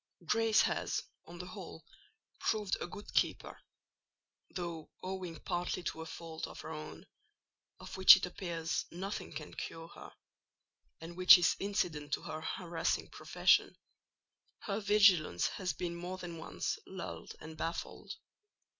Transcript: Grace has, on the whole, proved a good keeper; though, owing partly to a fault of her own, of which it appears nothing can cure her, and which is incident to her harassing profession, her vigilance has been more than once lulled and baffled.